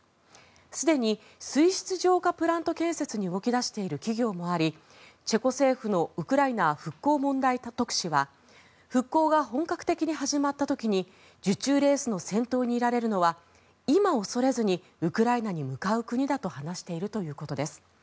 すでに水質浄化プラント建設に動き出している企業もありチェコ政府のウクライナ復興問題特使は復興が本格的に始まった時に受注レースの先頭にいられるのは今、恐れずにウクライナに向かう国だと話しているということです。